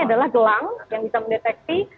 adalah gelang yang bisa mendeteksi